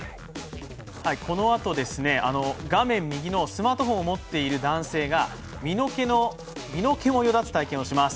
このあと、画面右のスマートフォンを持っている男性が身の毛もよだつ体験をします。